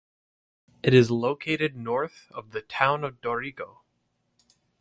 It is located north of the town of Dorrigo.